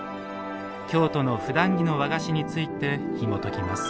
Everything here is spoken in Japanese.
京都の「ふだん着の和菓子」についてひもときます。